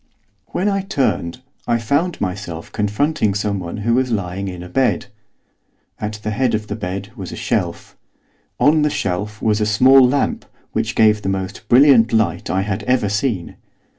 When I turned I found myself confronting someone who was lying in bed. At the head of the bed was a shelf. On the shelf was a small lamp which gave the most brilliant light I had ever seen.